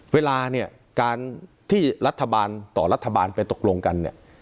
เวลานี้การที่รัฐบาลต่อรัฐบาลไปตกลงกัน